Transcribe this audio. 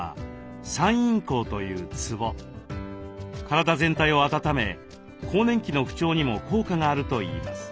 体全体を温め更年期の不調にも効果があるといいます。